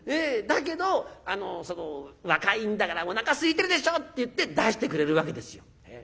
だけど「若いんだからおなかすいてるでしょ」って言って出してくれるわけですよ。